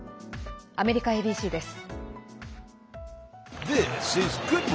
アメリカＡＢＣです。